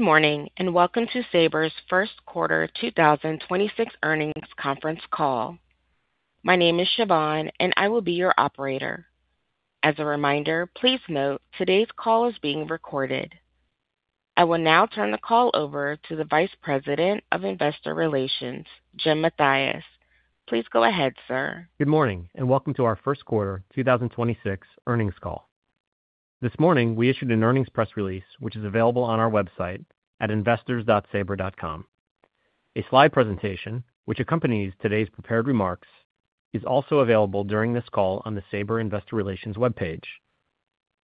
Good morning, welcome to Sabre's First Quarter 2026 Earnings Conference Call. My name is Siobhan, I will be your operator. As a reminder, please note today's call is being recorded. I will now turn the call over to the Vice President of Investor Relations, Jim Mathias. Please go ahead, sir. Good morning, and welcome to our first quarter 2026 earnings call. This morning, we issued an earnings press release, which is available on our website at investors.sabre.com. A slide presentation, which accompanies today's prepared remarks, is also available during this call on the Sabre Investor Relations webpage.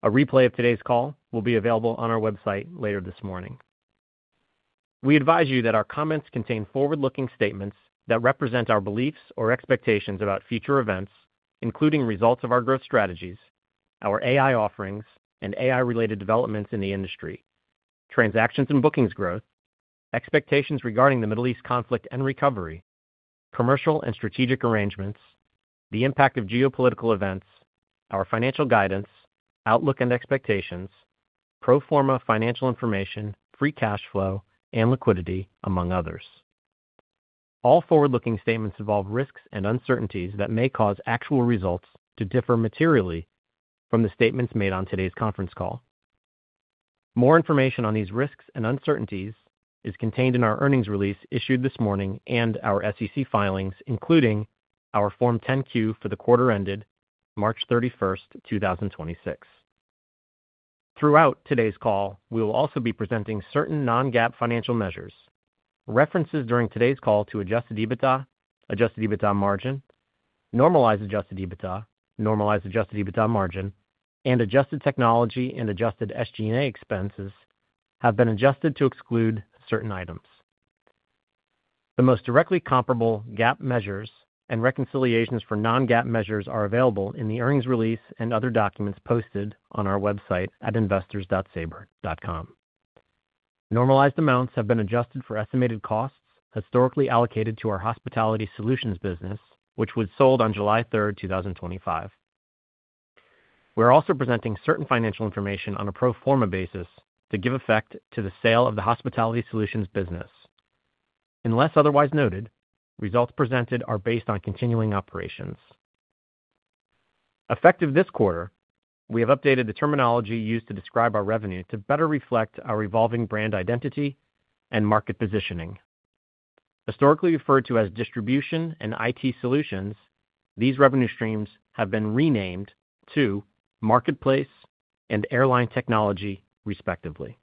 A replay of today's call will be available on our website later this morning. We advise you that our comments contain forward-looking statements that represent our beliefs or expectations about future events, including results of our growth strategies, our AI offerings and AI-related developments in the industry, transactions and bookings growth, expectations regarding the Middle East conflict and recovery, commercial and strategic arrangements, the impact of geopolitical events, our financial guidance, outlook and expectations, pro forma financial information, free cash flow and liquidity, among others. All forward-looking statements involve risks and uncertainties that may cause actual results to differ materially from the statements made on today's conference call. More information on these risks and uncertainties is contained in our earnings release issued this morning and our SEC filings, including our Form 10-Q for the quarter ended March 31st, 2026. Throughout today's call, we will also be presenting certain non-GAAP financial measures. References during today's call to Adjusted EBITDA, Adjusted EBITDA margin, normalized Adjusted EBITDA, normalized Adjusted EBITDA margin, and adjusted technology and adjusted SG&A expenses have been adjusted to exclude certain items. The most directly comparable GAAP measures and reconciliations for non-GAAP measures are available in the earnings release and other documents posted on our website at investors.sabre.com. Normalized amounts have been adjusted for estimated costs historically allocated to our Hospitality Solutions business, which was sold on July 3rd, 2025. We're also presenting certain financial information on a pro forma basis to give effect to the sale of the Hospitality Solutions business. Unless otherwise noted, results presented are based on continuing operations. Effective this quarter, we have updated the terminology used to describe our revenue to better reflect our evolving brand identity and market positioning. Historically referred to as Distribution and IT Solutions, these revenue streams have been renamed to Marketplace and Airline Technology, respectively.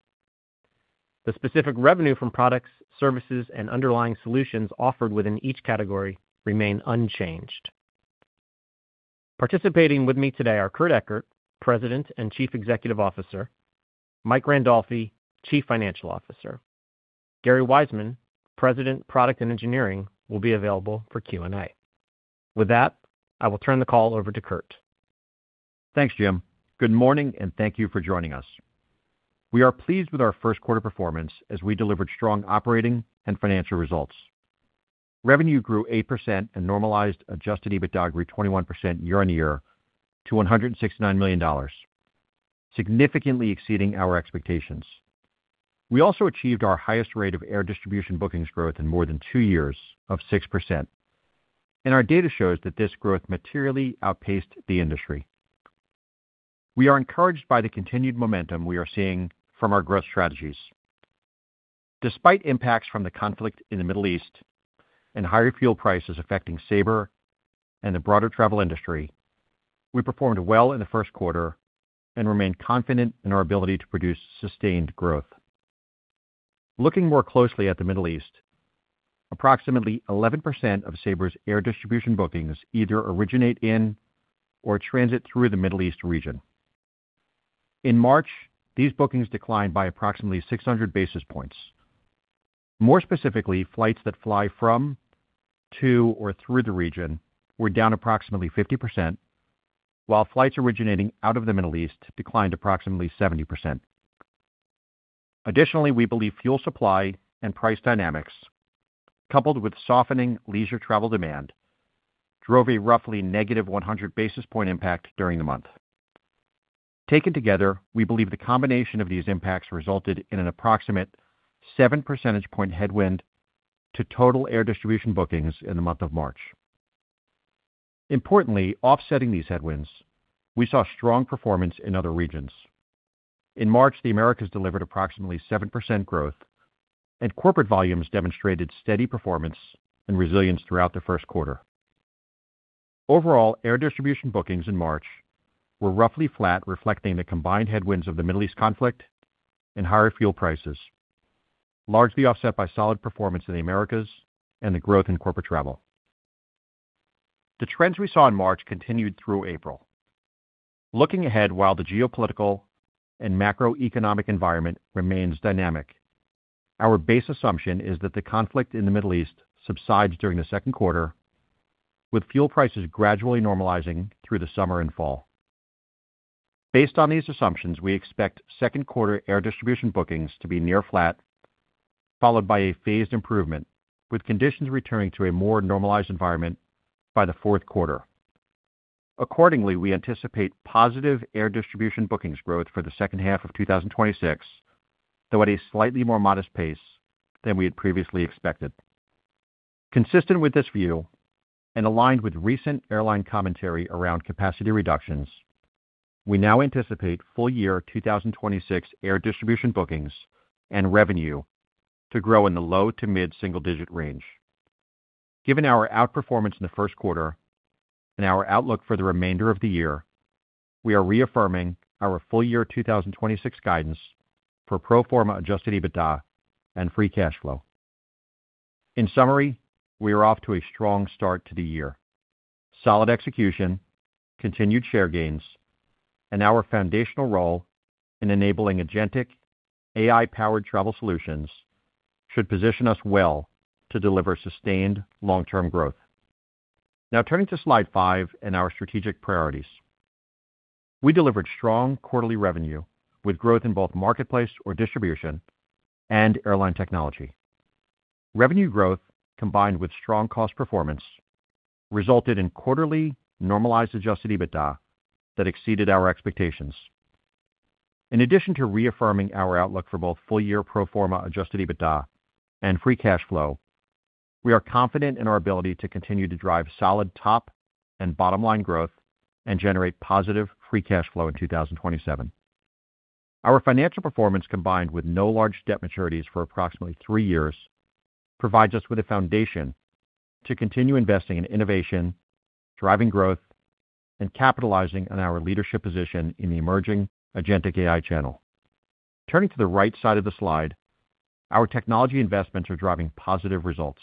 The specific revenue from products, services, and underlying solutions offered within each category remain unchanged. Participating with me today are Kurt Ekert, President and Chief Executive Officer, Mike Randolfi, Chief Financial Officer. Garry Wiseman, President, Product and Engineering, will be available for Q&A. With that, I will turn the call over to Kurt. Thanks, Jim. Good morning, and thank you for joining us. We are pleased with our first quarter performance as we delivered strong operating and financial results. Revenue grew 8% and Normalized Adjusted EBITDA grew 21% year-over-year to $169 million, significantly exceeding our expectations. We also achieved our highest rate of air distribution bookings growth in more than two years of 6%, and our data shows that this growth materially outpaced the industry. We are encouraged by the continued momentum we are seeing from our growth strategies. Despite impacts from the conflict in the Middle East and higher fuel prices affecting Sabre and the broader travel industry, we performed well in the first quarter and remain confident in our ability to produce sustained growth. Looking more closely at the Middle East, approximately 11% of Sabre's air distribution bookings either originate in or transit through the Middle East region. In March, these bookings declined by approximately 600 basis points. More specifically, flights that fly from, to, or through the region were down approximately 50%, while flights originating out of the Middle East declined approximately 70%. Additionally, we believe fuel supply and price dynamics, coupled with softening leisure travel demand, drove a roughly negative 100 basis point impact during the month. Taken together, we believe the combination of these impacts resulted in an approximate 7 percentage point headwind to total air distribution bookings in the month of March. Importantly, offsetting these headwinds, we saw strong performance in other regions. In March, the Americas delivered approximately 7% growth, corporate volumes demonstrated steady performance and resilience throughout the first quarter. Overall, air distribution bookings in March were roughly flat, reflecting the combined headwinds of the Middle East conflict and higher fuel prices, largely offset by solid performance in the Americas and the growth in corporate travel. The trends we saw in March continued through April. Looking ahead, while the geopolitical and macroeconomic environment remains dynamic, our base assumption is that the conflict in the Middle East subsides during the second quarter, with fuel prices gradually normalizing through the summer and fall. Based on these assumptions, we expect second quarter air distribution bookings to be near flat, followed by a phased improvement, with conditions returning to a more normalized environment by the fourth quarter. Accordingly, we anticipate positive air distribution bookings growth for the second half of 2026, though at a slightly more modest pace than we had previously expected. Consistent with this view and aligned with recent airline commentary around capacity reductions, we now anticipate full-year 2026 air distribution bookings and revenue to grow in the low to mid-single-digit range. Given our outperformance in the first quarter and our outlook for the remainder of the year, we are reaffirming our full-year 2026 guidance for pro forma Adjusted EBITDA and free cash flow. In summary, we are off to a strong start to the year. Solid execution, continued share gains, and our foundational role in enabling agentic AI-powered travel solutions should position us well to deliver sustained long-term growth. Now turning to slide 5 and our strategic priorities. We delivered strong quarterly revenue with growth in both Marketplace or Distribution and Airline Technology. Revenue growth combined with strong cost performance resulted in quarterly Normalized Adjusted EBITDA that exceeded our expectations. In addition to reaffirming our outlook for both full-year pro forma Adjusted EBITDA and free cash flow, we are confident in our ability to continue to drive solid top and bottom line growth and generate positive free cash flow in 2027. Our financial performance, combined with no large debt maturities for approximately three years, provides us with a foundation to continue investing in innovation, driving growth, and capitalizing on our leadership position in the emerging agentic AI channel. Turning to the right side of the slide, our technology investments are driving positive results.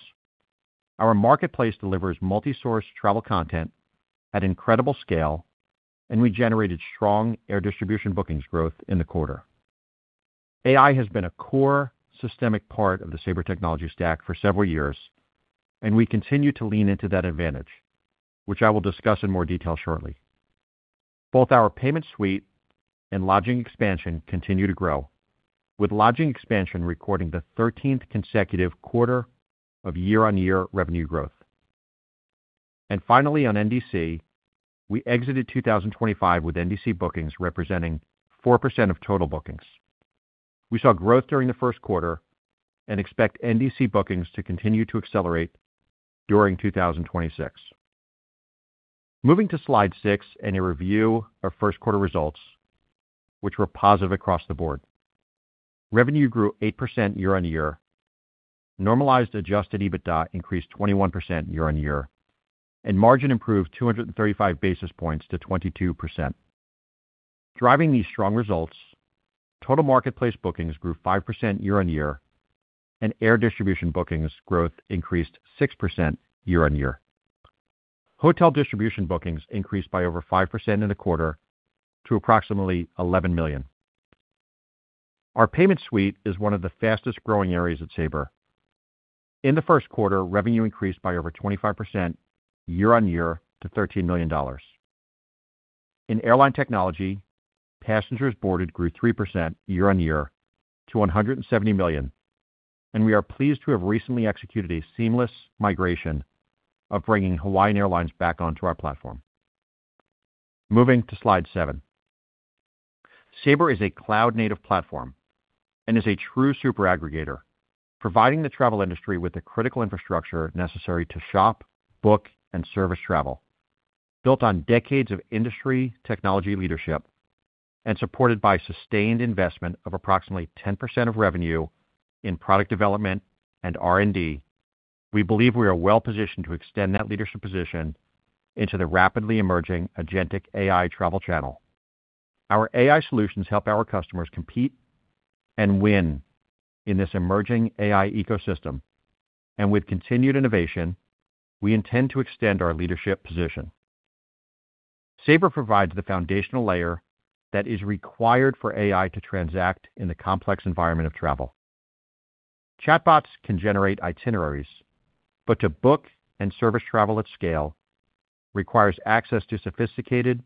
Our Marketplace delivers multi-source travel content at incredible scale, and we generated strong air distribution bookings growth in the quarter. AI has been a core systemic part of the Sabre technology stack for several years, and we continue to lean into that advantage, which I will discuss in more detail shortly. Both our Payment Suite and Lodging Expansion continue to grow, with Lodging Expansion recording the 13th consecutive quarter of year-on-year revenue growth. Finally, on NDC, we exited 2025 with NDC bookings representing 4% of total bookings. We saw growth during the first quarter and expect NDC bookings to continue to accelerate during 2026. Moving to slide 6 and a review of first quarter results, which were positive across the board. Revenue grew 8% year-on-year, Normalized Adjusted EBITDA increased 21% year-on-year, and margin improved 235 basis points to 22%. Driving these strong results, total Marketplace bookings grew 5% year-on-year, and air distribution bookings growth increased 6% year-on-year. Hotel distribution bookings increased by over 5% in the quarter to approximately 11 million. Our Payment Suite is one of the fastest-growing areas at Sabre. In the first quarter, revenue increased by over 25% year-on-year to $13 million. In Airline Technology, passengers boarded grew 3% year-on-year to 170 million, and we are pleased to have recently executed a seamless migration of bringing Hawaiian Airlines back onto our platform. Moving to slide 7. Sabre is a cloud-native platform and is a true super aggregator, providing the travel industry with the critical infrastructure necessary to shop, book and service travel. Built on decades of industry technology leadership and supported by sustained investment of approximately 10% of revenue in product development and R&D, we believe we are well-positioned to extend that leadership position into the rapidly emerging agentic AI travel channel. Our AI solutions help our customers compete and win in this emerging AI ecosystem. With continued innovation, we intend to extend our leadership position. Sabre provides the foundational layer that is required for AI to transact in the complex environment of travel. Chatbots can generate itineraries, but to book and service travel at scale requires access to sophisticated,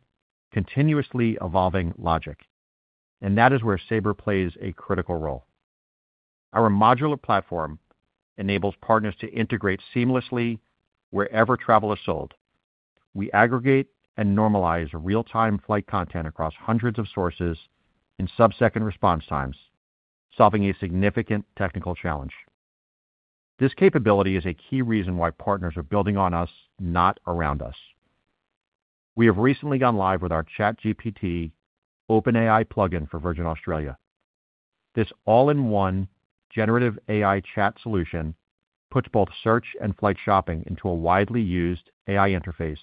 continuously evolving logic, and that is where Sabre plays a critical role. Our modular platform enables partners to integrate seamlessly wherever travel is sold. We aggregate and normalize real-time flight content across hundreds of sources in sub-second response times, solving a significant technical challenge. This capability is a key reason why partners are building on us, not around us. We have recently gone live with our ChatGPT OpenAI plugin for Virgin Australia. This all-in-one generative AI chat solution puts both search and flight shopping into a widely used AI interface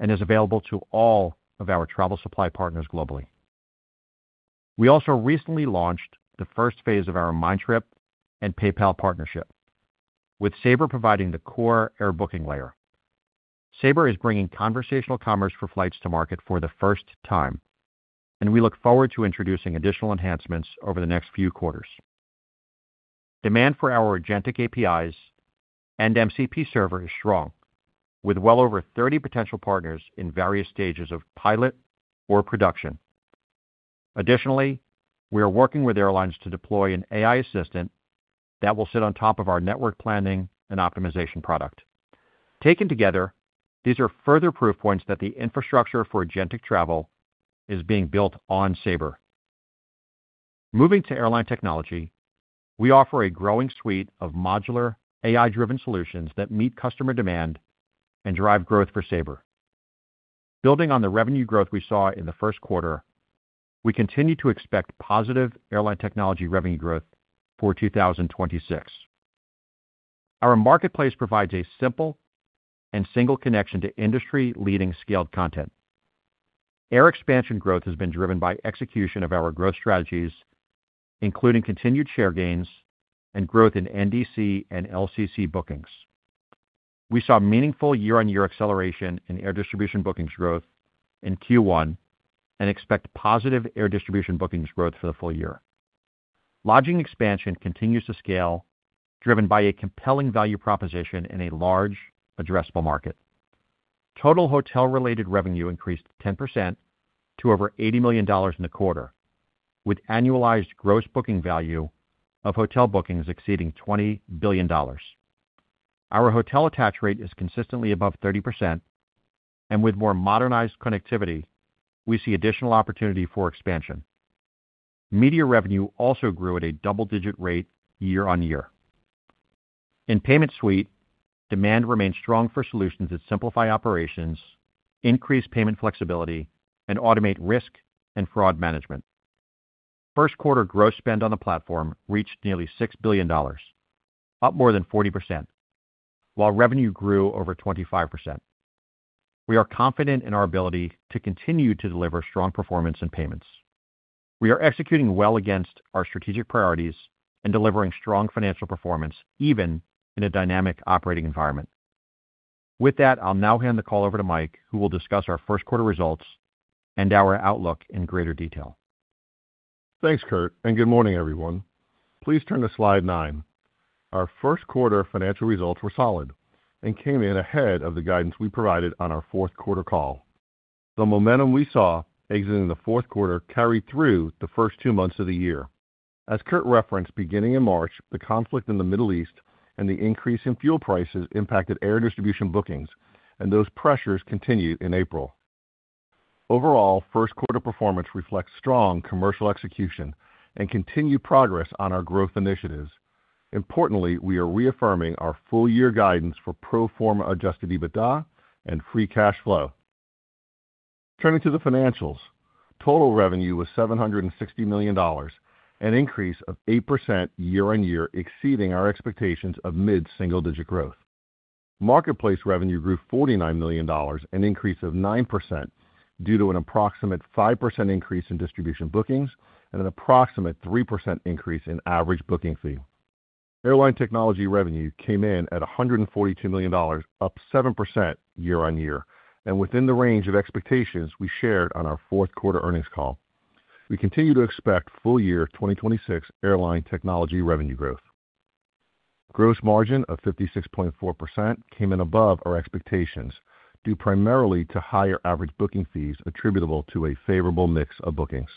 and is available to all of our travel supply partners globally. We also recently launched the first phase of our Mindtrip and PayPal partnership, with Sabre providing the core air booking layer. Sabre is bringing conversational commerce for flights to market for the first time, and we look forward to introducing additional enhancements over the next few quarters. Demand for our agentic APIs and MCP server is strong, with well over 30 potential partners in various stages of pilot or production. Additionally, we are working with airlines to deploy an AI assistant that will sit on top of our network planning and optimization product. Taken together, these are further proof points that the infrastructure for agentic travel is being built on Sabre. Moving to Airline Technology, we offer a growing suite of modular AI-driven solutions that meet customer demand and drive growth for Sabre. Building on the revenue growth we saw in the first quarter, we continue to expect positive Airline Technology revenue growth for 2026. Our Marketplace provides a simple and single connection to industry-leading scaled content. Air expansion growth has been driven by execution of our growth strategies, including continued share gains and growth in NDC and LCC bookings. We saw meaningful year-over-year acceleration in air distribution bookings growth in Q1 and expect positive air distribution bookings growth for the full year. Lodging Expansion continues to scale, driven by a compelling value proposition in a large addressable market. Total hotel-related revenue increased 10% to over $80 million in the quarter, with annualized gross booking value of hotel bookings exceeding $20 billion. Our hotel attach rate is consistently above 30%, and with more modernized connectivity, we see additional opportunity for expansion. Media revenue also grew at a double-digit rate year-on-year. In Payment Suite, demand remains strong for solutions that simplify operations, increase payment flexibility, and automate risk and fraud management. First quarter gross spend on the platform reached nearly $6 billion, up more than 40%, while revenue grew over 25%. We are confident in our ability to continue to deliver strong performance in payments. We are executing well against our strategic priorities and delivering strong financial performance even in a dynamic operating environment. With that, I'll now hand the call over to Mike, who will discuss our first quarter results and our outlook in greater detail. Thanks, Kurt. Good morning, everyone. Please turn to slide 9. Our first quarter financial results were solid and came in ahead of the guidance we provided on our fourth quarter call. The momentum we saw exiting the fourth quarter carried through the first 2 months of the year. As Kurt referenced, beginning in March, the conflict in the Middle East and the increase in fuel prices impacted air distribution bookings, and those pressures continued in April. Overall, first quarter performance reflects strong commercial execution and continued progress on our growth initiatives. Importantly, we are reaffirming our full year guidance for pro forma Adjusted EBITDA and free cash flow. Turning to the financials, total revenue was $760 million, an increase of 8% year-over-year, exceeding our expectations of mid-single digit growth. Marketplace revenue grew $49 million, an increase of 9% due to an approximate 5% increase in distribution bookings and an approximate 3% increase in average booking fee. Airline Technology revenue came in at $142 million, up 7% year-on-year and within the range of expectations we shared on our fourth quarter earnings call. We continue to expect full year 2026 Airline Technology revenue growth. Gross margin of 56.4% came in above our expectations, due primarily to higher average booking fees attributable to a favorable mix of bookings.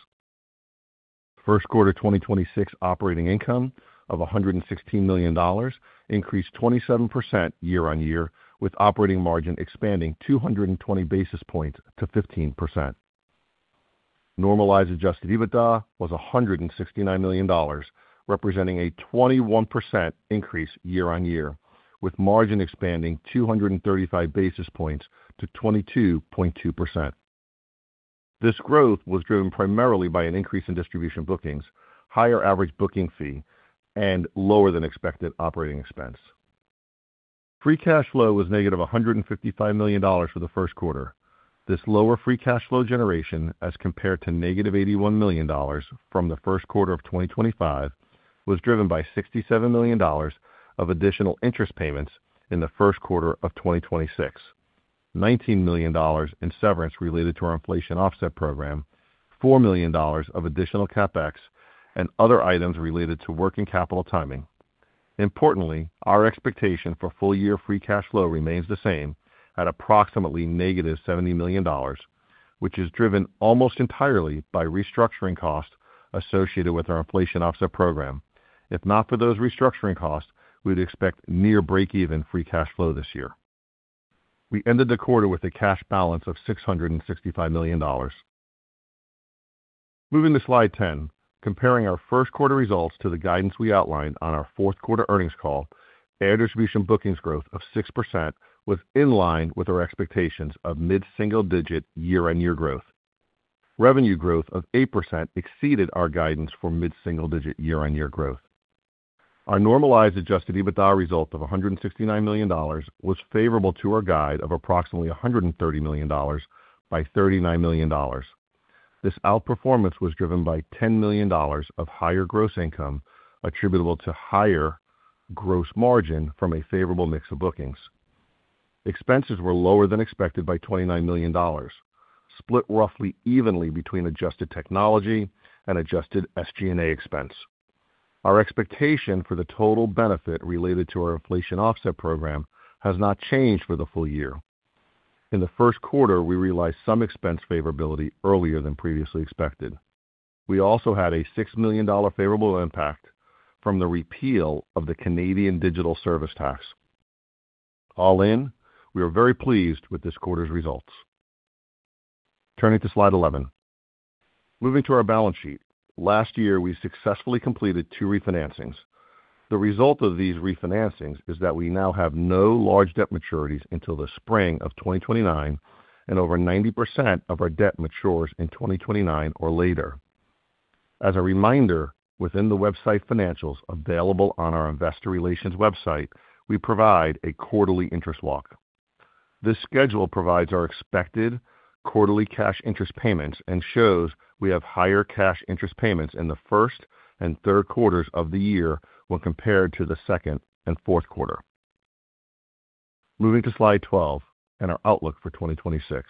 First quarter 2026 operating income of $116 million increased 27% year-on-year, with operating margin expanding 220 basis points to 15%. Normalized Adjusted EBITDA was $169 million, representing a 21% increase year-on-year, with margin expanding 235 basis points to 22.2%. This growth was driven primarily by an increase in distribution bookings, higher average booking fee, and lower than expected operating expense. Free cash flow was negative $155 million for the first quarter. This lower free cash flow generation, as compared to negative $81 million from the first quarter of 2025, was driven by $67 million of additional interest payments in the first quarter of 2026, $19 million in severance related to our inflation offset program, $4 million of additional CapEx and other items related to working capital timing. Importantly, our expectation for full year free cash flow remains the same at approximately -$70 million, which is driven almost entirely by restructuring costs associated with our inflation offset program. If not for those restructuring costs, we'd expect near breakeven free cash flow this year. We ended the quarter with a cash balance of $665 million. Moving to slide 10, comparing our first quarter results to the guidance we outlined on our fourth quarter earnings call, air distribution bookings growth of 6% was in line with our expectations of mid-single digit year-on-year growth. Revenue growth of 8% exceeded our guidance for mid-single digit year-on-year growth. Our Normalized Adjusted EBITDA result of $169 million was favorable to our guide of approximately $130 million by $39 million. This outperformance was driven by $10 million of higher gross income attributable to higher gross margin from a favorable mix of bookings. Expenses were lower than expected by $29 million, split roughly evenly between adjusted technology and adjusted SG&A expense. Our expectation for the total benefit related to our inflation offset program has not changed for the full year. In the first quarter, we realized some expense favorability earlier than previously expected. We also had a $6 million favorable impact from the repeal of the Canadian Digital Services Tax. All in, we are very pleased with this quarter's results. Turning to slide 11. Moving to our balance sheet. Last year, we successfully completed two re-financings. The result of these re-financings is that we now have no large debt maturities until the spring of 2029, and over 90% of our debt matures in 2029 or later. As a reminder, within the website financials available on our investor relations website, we provide a quarterly interest walk. This schedule provides our expected quarterly cash interest payments and shows we have higher cash interest payments in the first and third quarters of the year when compared to the second and fourth quarter. Moving to slide 12 and our outlook for 2026.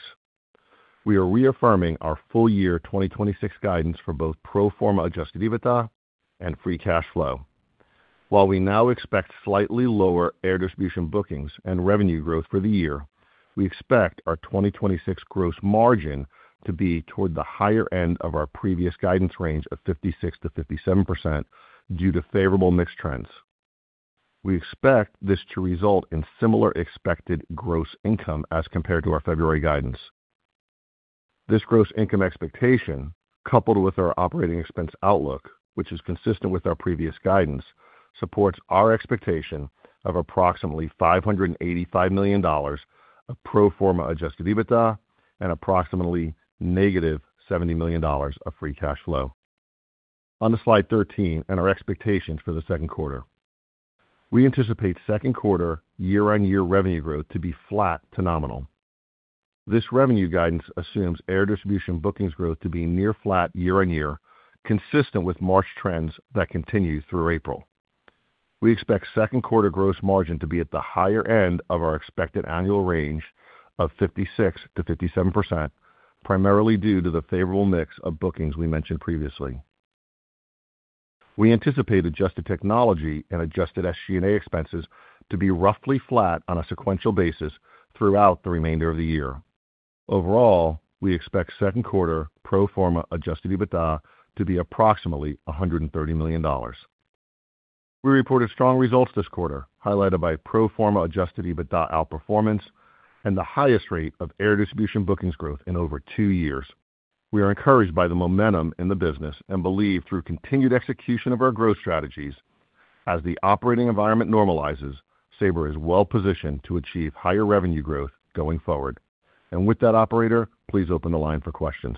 We are reaffirming our full year 2026 guidance for both pro forma Adjusted EBITDA and free cash flow. While we now expect slightly lower air distribution bookings and revenue growth for the year, we expect our 2026 gross margin to be toward the higher end of our previous guidance range of 56%-57% due to favorable mix trends. We expect this to result in similar expected gross income as compared to our February guidance. This gross income expectation, coupled with our operating expense outlook, which is consistent with our previous guidance, supports our expectation of approximately $585 million of pro forma Adjusted EBITDA and approximately negative $70 million of free cash flow. On to slide 13 and our expectations for the second quarter. We anticipate second quarter year-on-year revenue growth to be flat to nominal. This revenue guidance assumes air distribution bookings growth to be near flat year-on-year, consistent with March trends that continue through April. We expect second quarter gross margin to be at the higher end of our expected annual range of 56%-57%, primarily due to the favorable mix of bookings we mentioned previously. We anticipate adjusted technology and adjusted SG&A expenses to be roughly flat on a sequential basis throughout the remainder of the year. Overall, we expect second quarter pro forma Adjusted EBITDA to be approximately $130 million. We reported strong results this quarter, highlighted by pro forma Adjusted EBITDA outperformance and the highest rate of air distribution bookings growth in over two years. We are encouraged by the momentum in the business and believe through continued execution of our growth strategies as the operating environment normalizes, Sabre is well positioned to achieve higher revenue growth going forward. With that, operator, please open the line for questions.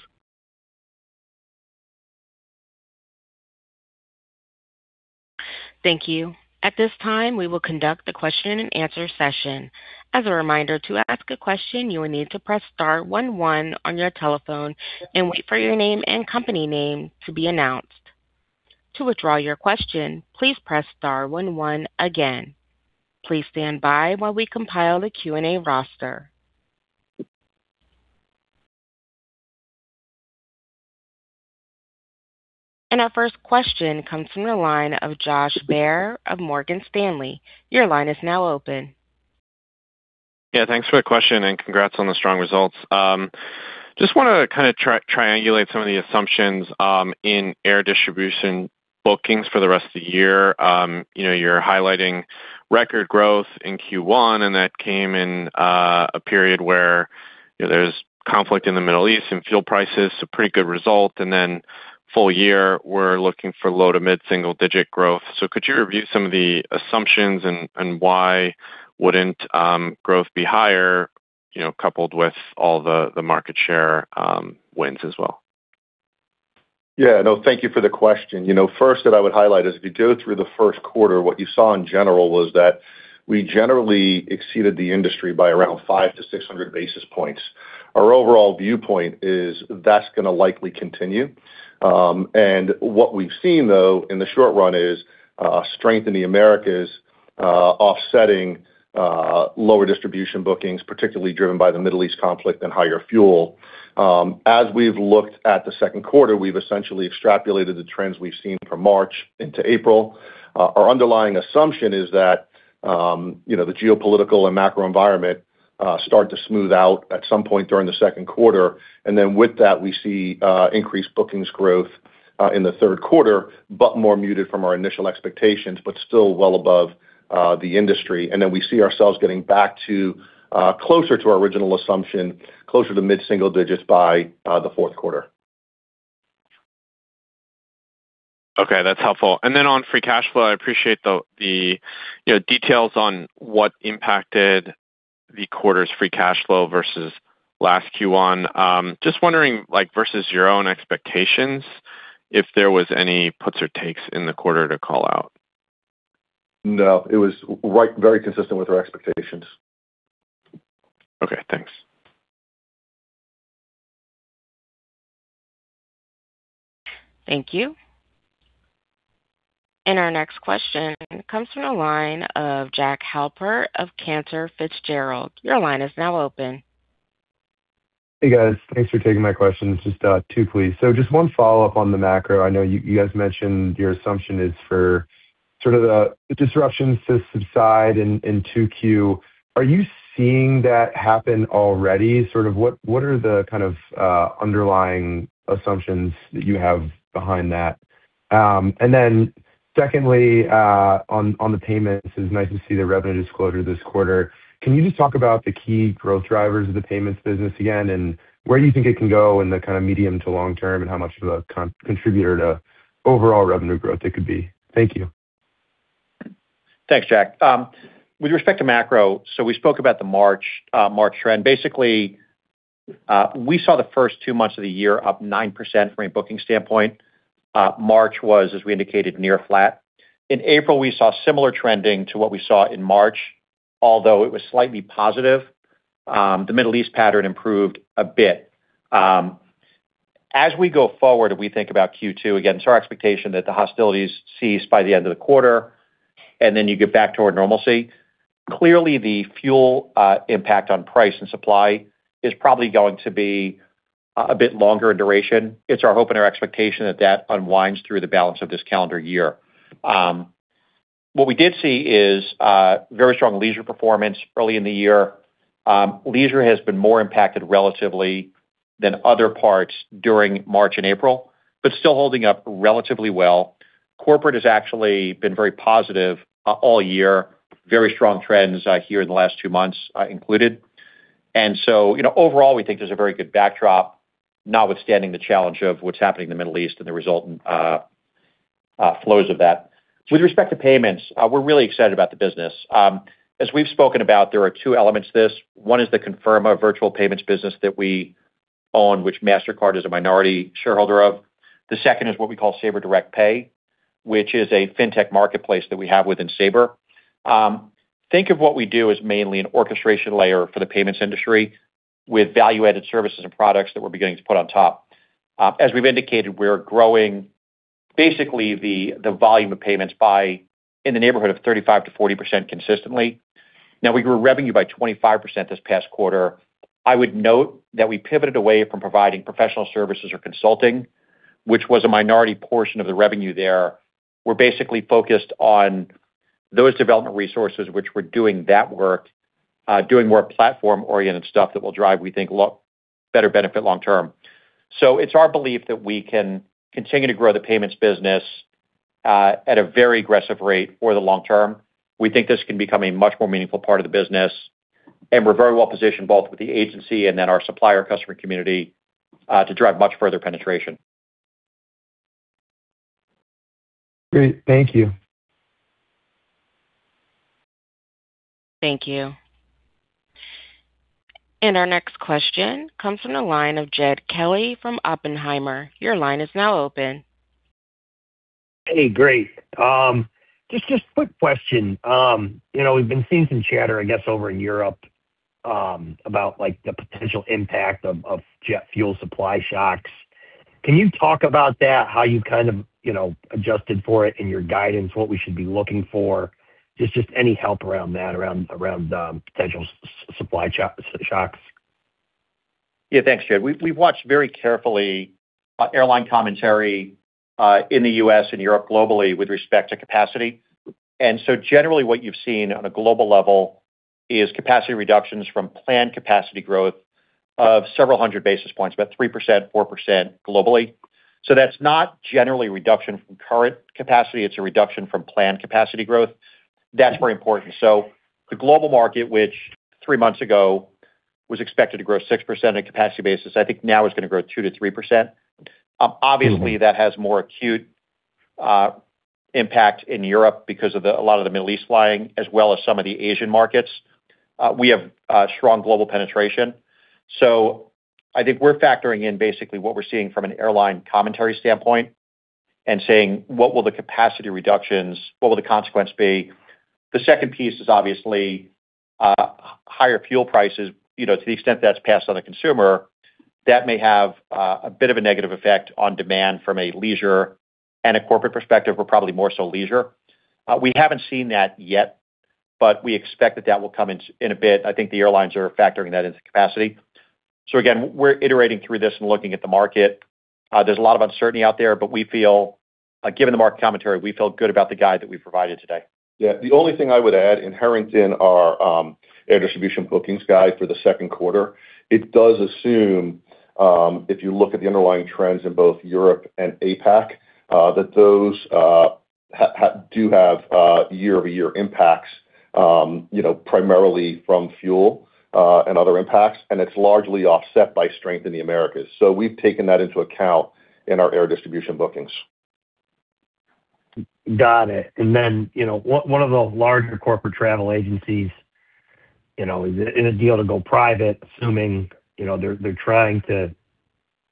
Thank you. At this time, we will conduct the question and answer session. As a reminder, to ask a question, you will need to press star one one on your telephone and wait for your name and company name to be announced. To withdraw your question, please press star one one again. Please stand by while we compile the Q&A roster. Our first question comes from the line of Josh Baer of Morgan Stanley. Your line is now open. Yeah, thanks for the question and congrats on the strong results. Just want to kind of triangulate some of the assumptions in air distribution bookings for the rest of the year. You know, you're highlighting record growth in Q1, and that came in a period where, you know, there's conflict in the Middle East and fuel prices. Pretty good result. Full year, we're looking for low to mid-single digit growth. Could you review some of the assumptions and why wouldn't growth be higher, you know, coupled with all the market share wins as well? Yeah, no, thank you for the question. You know, first that I would highlight is if you go through the first quarter, what you saw in general was that we generally exceeded the industry by around 500-600 basis points. Our overall viewpoint is that's going to likely continue. What we've seen, though, in the short run is strength in the Americas, offsetting lower distribution bookings, particularly driven by the Middle East conflict and higher fuel. As we've looked at the second quarter, we've essentially extrapolated the trends we've seen from March into April. Our underlying assumption is that, you know, the geopolitical and macro environment start to smooth out at some point during the second quarter. With that, we see increased bookings growth in the third quarter, but more muted from our initial expectations, but still well above the industry. We see ourselves getting back to closer to our original assumption, closer to mid-single digits by the fourth quarter. Okay, that's helpful. On free cash flow, I appreciate the, you know, details on what impacted the quarter's free cash flow versus last Q1. Just wondering, like, versus your own expectations, if there was any puts or takes in the quarter to call out. No, it was very consistent with our expectations. Okay, thanks. Thank you. Our next question comes from the line of Jack Halper of Cantor Fitzgerald. Your line is now open. Hey, guys. Thanks for taking my questions. Just two please. Just one follow-up on the macro. I know you guys mentioned your assumption is for sort of the disruptions to subside in 2Q. Are you seeing that happen already? Sort of what are the kind of underlying assumptions that you have behind that? Then secondly, on the payments, it's nice to see the revenue disclosure this quarter. Can you just talk about the key growth drivers of the payments business again, and where do you think it can go in the kind of medium to long term, and how much of a contributor to overall revenue growth it could be? Thank you. Thanks, Jack. With respect to macro, so we spoke about the March trend. Basically, we saw the first two months of the year up 9% from a booking standpoint. March was, as we indicated, near flat. In April, we saw similar trending to what we saw in March, although it was slightly positive. The Middle East pattern improved a bit. As we go forward, if we think about Q2, again, it's our expectation that the hostilities cease by the end of the quarter, and then you get back toward normalcy. Clearly, the fuel impact on price and supply is probably going to be a bit longer in duration. It's our hope and our expectation that that unwinds through the balance of this calendar year. What we did see is very strong leisure performance early in the year. Leisure has been more impacted relatively than other parts during March and April, but still holding up relatively well. Corporate has actually been very positive all year. Very strong trends here in the last two months included. Overall, we think there's a very good backdrop, notwithstanding the challenge of what's happening in the Middle East and the resultant flows of that. With respect to payments, we're really excited about the business. As we've spoken about, there are two elements to this. One is the Conferma virtual payments business that we own, which Mastercard is a minority shareholder of. The second is what we call Sabre Direct Pay, which is a fintech marketplace that we have within Sabre. Think of what we do as mainly an orchestration layer for the payments industry with value-added services and products that we're beginning to put on top. As we've indicated, we're growing basically the volume of payments by in the neighborhood of 35%-40% consistently. We grew revenue by 25% this past quarter. I would note that we pivoted away from providing professional services or consulting, which was a minority portion of the revenue there. We're basically focused on those development resources which were doing that work, doing more platform-oriented stuff that will drive, we think, better benefit long term. It's our belief that we can continue to grow the payments business at a very aggressive rate for the long term. We think this can become a much more meaningful part of the business, and we're very well positioned both with the agency and then our supplier customer community, to drive much further penetration. Great. Thank you. Thank you. Our next question comes from the line of Jed Kelly from Oppenheimer. Hey, great. Just quick question. You know, we've been seeing some chatter, I guess, over in Europe, about, like, the potential impact of jet fuel supply shocks. Can you talk about that, how you kind of, you know, adjusted for it in your guidance, what we should be looking for? Just any help around that, around potential supply shocks. Yeah. Thanks, Jed. We've watched very carefully airline commentary in the U.S. and Europe globally with respect to capacity. Generally what you've seen on a global level is capacity reductions from planned capacity growth of several hundred basis points, about 3%, 4% globally. That's not generally a reduction from current capacity, it's a reduction from planned capacity growth. That's very important. The global market, which 3 months ago was expected to grow 6% in capacity basis, I think now is gonna grow 2%-3%. Obviously, that has more acute impact in Europe because of a lot of the Middle East flying as well as some of the Asian markets. We have a strong global penetration. I think we're factoring in basically what we're seeing from an airline commentary standpoint and saying, "What will the consequence be?" The second piece is obviously higher fuel prices. You know, to the extent that's passed on the consumer, that may have a bit of a negative effect on demand from a leisure and a corporate perspective. We're probably more so leisure. We haven't seen that yet, but we expect that that will come in a bit. I think the airlines are factoring that into capacity. Again, we're iterating through this and looking at the market. There's a lot of uncertainty out there, but we feel given the market commentary, we feel good about the guide that we provided today. Yeah. The only thing I would add, inherent in, our air distribution bookings guide for the second quarter, it does assume, if you look at the underlying trends in both Europe and APAC, that those do have year-over-year impacts, you know, primarily from fuel, and other impacts, and it's largely offset by strength in the Americas. We've taken that into account in our air distribution bookings. Got it. Then, you know, one of the larger corporate travel agencies, you know, is in a deal to go private, assuming, you know, they're trying to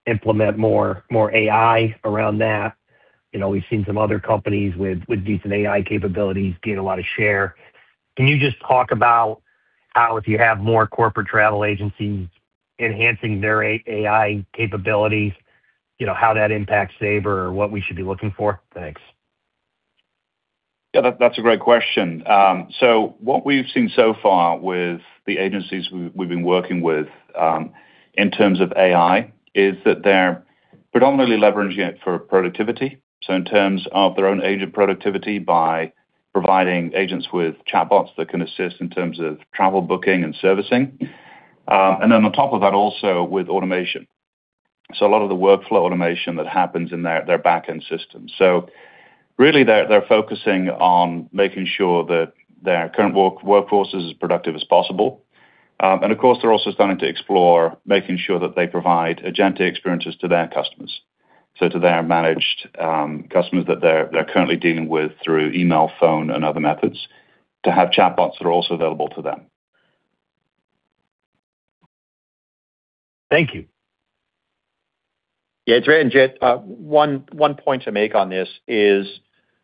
implement more AI around that. You know, we've seen some other companies with decent AI capabilities gain a lot of share. Can you just talk about how if you have more corporate travel agencies enhancing their AI capabilities, you know, how that impacts Sabre or what we should be looking for? Thanks. That's a great question. What we've seen so far with the agencies we've been working with in terms of AI is that they're predominantly leveraging it for productivity. In terms of their own agent productivity by providing agents with chatbots that can assist in terms of travel booking and servicing. On top of that also with automation. A lot of the workflow automation that happens in their back-end system. Really they're focusing on making sure that their current workforce is as productive as possible. Of course, they're also starting to explore making sure that they provide agentic experiences to their customers. To their managed customers that they're currently dealing with through email, phone, and other methods to have chatbots that are also available to them. Thank you. Yeah, it's reiterate, Jed. One point to make on this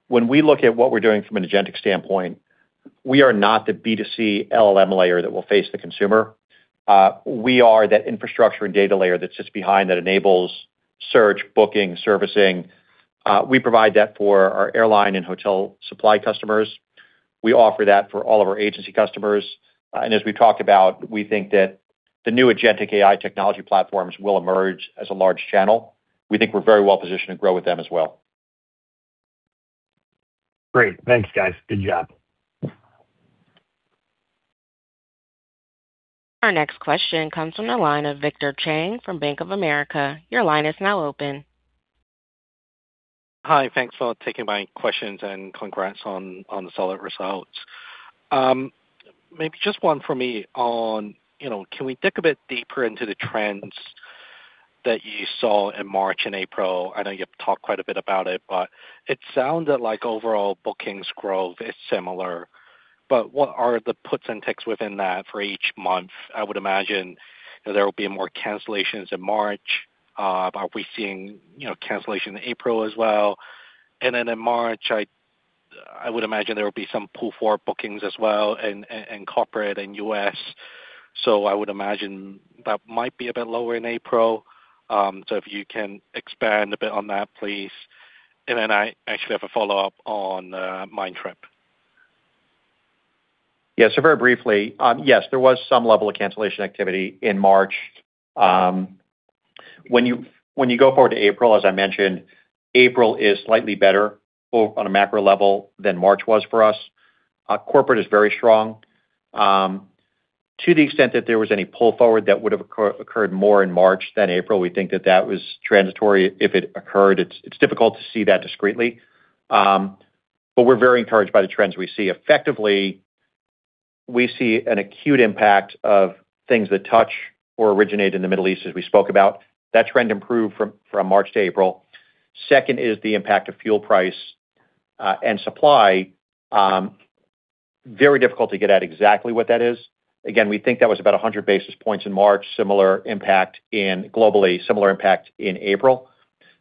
is when we look at what we're doing from an agentic standpoint, we are not the B2C LLM layer that will face the consumer. We are that infrastructure and data layer that sits behind that enables search, booking, servicing. We provide that for our airline and hotel supply customers. We offer that for all of our agency customers. As we talked about, we think that the new agentic AI technology platforms will emerge as a large channel. We think we're very well-positioned to grow with them as well. Great. Thanks, guys. Good job. Our next question comes from the line of Victor Cheng from Bank of America. Your line is now open. Hi, thanks for taking my questions, congrats on the solid results. Maybe just one for me on, you know, can we dig a bit deeper into the trends that you saw in March and April? I know you have talked quite a bit about it sounds like overall bookings growth is similar, what are the puts and takes within that for each month? I would imagine there will be more cancellations in March. Are we seeing, you know, cancellation in April as well? In March, I would imagine there will be some pull-forward bookings as well in corporate and U.S. I would imagine that might be a bit lower in April. If you can expand a bit on that, please. I actually have a follow-up on Mindtrip. Yes, there was some level of cancellation activity in March. When you go forward to April, as I mentioned, April is slightly better on a macro level than March was for us. Corporate is very strong. To the extent that there was any pull forward that would have occurred more in March than April, we think that that was transitory if it occurred. It's difficult to see that discreetly. We're very encouraged by the trends we see. Effectively, we see an acute impact of things that touch or originate in the Middle East, as we spoke about. That trend improved from March to April. Second is the impact of fuel price and supply. Very difficult to get at exactly what that is. We think that was about 100 basis points in March, similar impact globally, similar impact in April.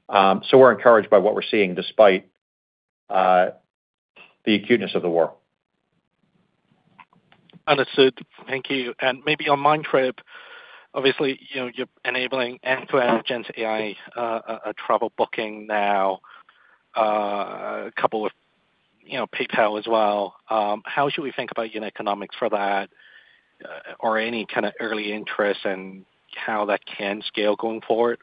We're encouraged by what we're seeing despite the acuteness of the war. Understood. Thank you. Maybe on Mindtrip, obviously, you know, you're enabling end-to-end agent AI travel booking now, coupled with, you know, PayPal as well. How should we think about unit economics for that or any kinda early interest and how that can scale going forward?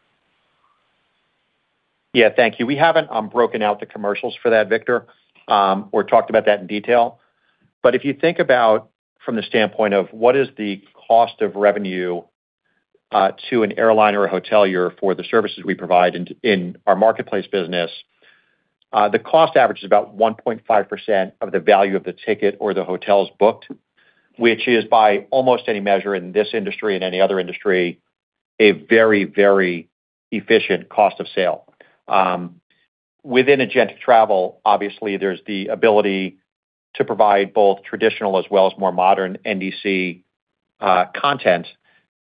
Yeah. Thank you. We haven't broken out the commercials for that, Victor, or talked about that in detail. If you think about from the standpoint of what is the cost of revenue to an airline or a hotelier for the services we provide in our Marketplace business, the cost average is about 1.5% of the value of the ticket or the hotels booked, which is by almost any measure in this industry and any other industry, a very, very efficient cost of sale. Within agentic AI, obviously, there's the ability to provide both traditional as well as more modern NDC content.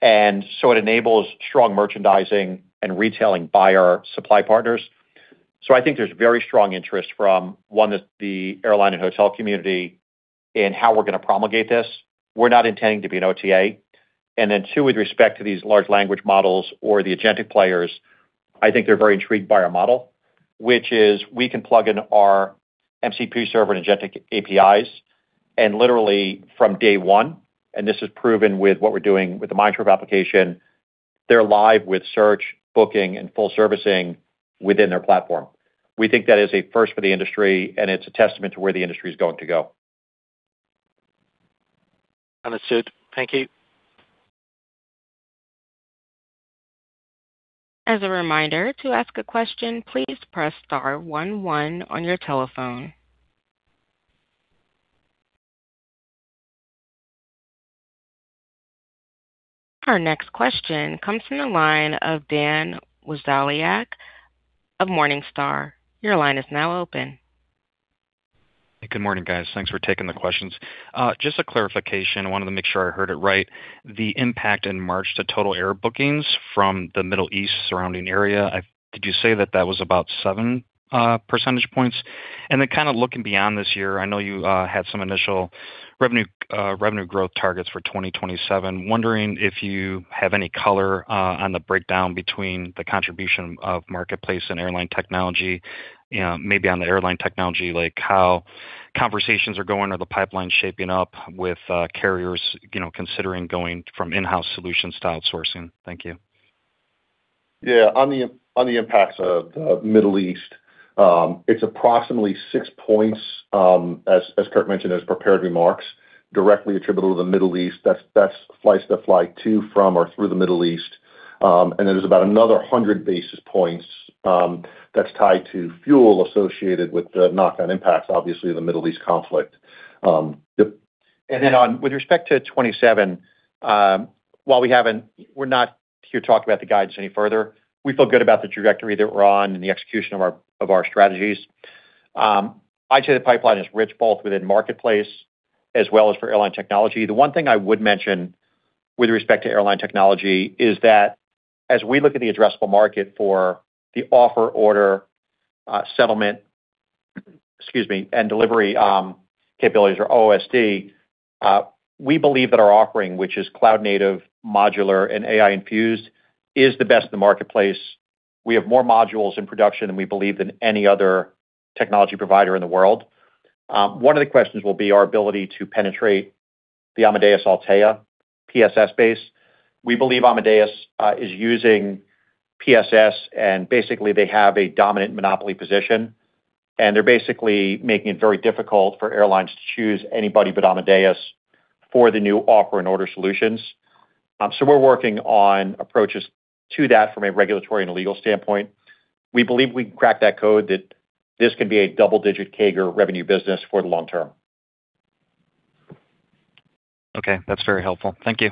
It enables strong merchandising and retailing by our supply partners. I think there's very strong interest from one of the airline and hotel community in how we're gonna promulgate this. We're not intending to be an OTA. Two, with respect to these large language models or the agentic players, I think they're very intrigued by our model, which is we can plug in our MCP server and agentic APIs, and literally from day one, and this is proven with what we're doing with the Mindtrip application, they're live with search, booking, and full servicing within their platform. We think that is a first for the industry, and it's a testament to where the industry is going to go. Understood. Thank you. As a reminder, to ask a question, please press star one one on your telephone. Our next question comes from the line of Dan Wasiolek of Morningstar. Your line is now open. Good morning, guys. Thanks for taking the questions. Just a clarification. Wanted to make sure I heard it right. The impact in March to total air bookings from the Middle East surrounding area, did you say that that was about 7 percentage points? Then kind of looking beyond this year, I know you had some initial revenue growth targets for 2027. Wondering if you have any color on the breakdown between the contribution of Marketplace and Airline Technology. You know, maybe on the Airline Technology, like how conversations are going or the pipeline shaping up with carriers, you know, considering going from in-house solutions to outsourcing. Thank you. On the impacts of Middle East, it's approximately 6 points, as Kurt mentioned as prepared remarks, directly attributable to the Middle East. That's flights that fly to, from, or through the Middle East. There's about another 100 basis points that's tied to fuel associated with the knock-on impacts, obviously, of the Middle East conflict. With respect to 27, while we're not here to talk about the guidance any further, we feel good about the trajectory that we're on and the execution of our, of our strategies. I'd say the pipeline is rich both within Marketplace as well as for Airline Technology. The one thing I would mention with respect to Airline Technology is that as we look at the addressable market for the offer, order, settlement, excuse me, and delivery capabilities or OSD, we believe that our offering, which is cloud-native, modular, and AI-infused, is the best in the marketplace. We have more modules in production than we believe than any other technology provider in the world. One of the questions will be our ability to penetrate the Amadeus Altéa PSS base. We believe Amadeus is using PSS, and basically, they have a dominant monopoly position, and they're basically making it very difficult for airlines to choose anybody but Amadeus for the new offer and order solutions. We're working on approaches to that from a regulatory and legal standpoint. We believe we can crack that code, that this can be a double-digit CAGR revenue business for the long term. Okay. That's very helpful. Thank you.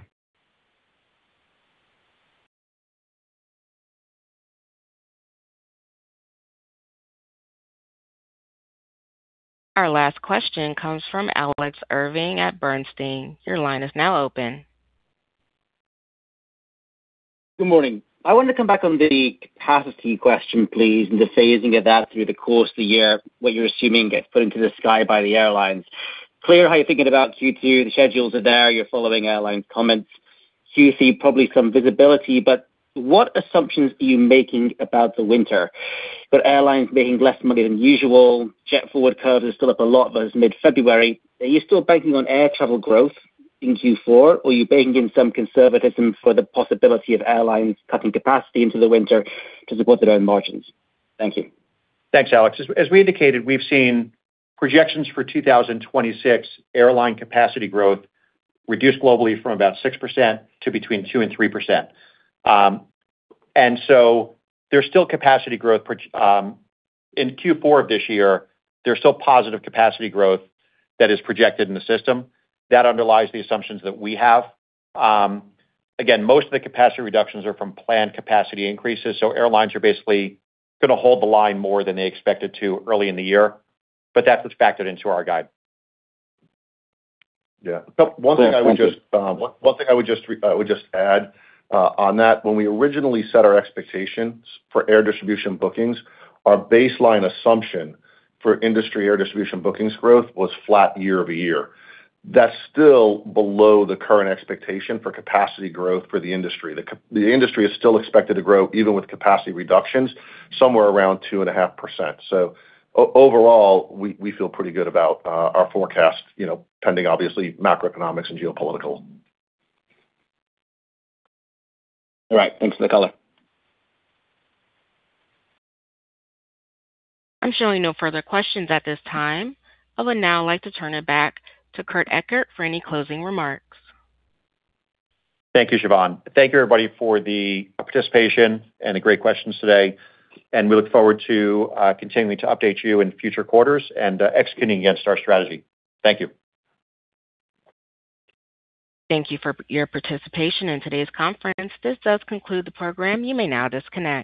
Our last question comes from Alex Irving at Bernstein. Your line is now open. Good morning. I want to come back on the capacity question, please, and the phasing of that through the course of the year, what you're assuming gets put into the sky by the airlines. Clear how you're thinking about Q2. The schedules are there. You're following airline comments. You see probably some visibility, but what assumptions are you making about the winter? Are airlines making less money than usual? Jet forward curves are still up a lot, but it's mid-February. Are you still banking on air travel growth in Q4, or are you baking in some conservatism for the possibility of airlines cutting capacity into the winter to support their own margins? Thank you. Thanks, Alex. As we indicated, we've seen projections for 2026 airline capacity growth reduce globally from about 6% to between 2%-3%. There's still capacity growth per In Q4 of this year, there's still positive capacity growth that is projected in the system. That underlies the assumptions that we have. Again, most of the capacity reductions are from planned capacity increases, so airlines are basically gonna hold the line more than they expected to early in the year, that's what's factored into our guide. Yeah. One thing I would just add on that, when we originally set our expectations for air distribution bookings, our baseline assumption for industry air distribution bookings growth was flat year-over-year. That's still below the current expectation for capacity growth for the industry. The industry is still expected to grow, even with capacity reductions, somewhere around 2.5%. Overall, we feel pretty good about our forecast, you know, pending obviously macroeconomics and geopolitical. All right. Thanks for the color. I'm showing no further questions at this time. I would now like to turn it back to Kurt Ekert for any closing remarks. Thank you, Siobhan. Thank you, everybody, for the participation and the great questions today. We look forward to, continuing to update you in future quarters and, executing against our strategy. Thank you. Thank you for your participation in today's conference. This does conclude the program. You may now disconnect.